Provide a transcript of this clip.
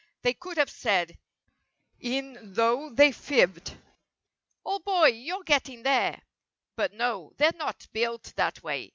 They could have said, e'en though they fibbed, "Old boy you're getting there" But no, they're not built that way.